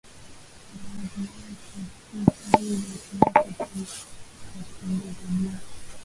baadhi yao Kwa hivyo Uturuki ukweli wa kupendeza juu